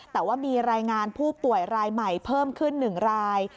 แต่ว่ามีรายงานผู้ป่วยรายใหม่เพิ่มขึ้น๑ราย